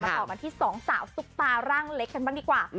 มาต่อไปที่๒สาวสุตาลร่างเล็กกันบ้างดีกว่า